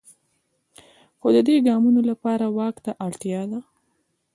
خو د دې ګامونو لپاره واک ته اړتیا ده.